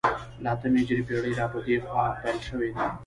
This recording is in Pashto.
له اتمې هجرې پېړۍ را په دې خوا پیل شوی دی